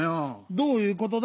どういうことだ？